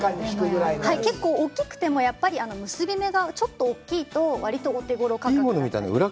結構大きくてもやっぱり結び目がちょっと大きいと割とお手ごろ価格で。